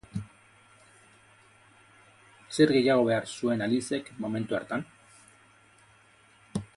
Zer gehiago behar zuen Alicek momentu hartan?